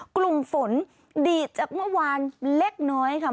กลุ่มฝนดีดจากเมื่อวานเล็กน้อยค่ะ